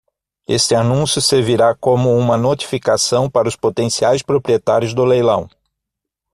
Este anúncio servirá como uma notificação para os potenciais proprietários do leilão.